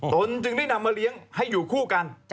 ตนจึงได้นำมาเลี้ยงให้อยู่คู่กัน